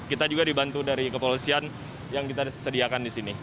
kita juga dibantu dari kepolisian yang kita sediakan di sini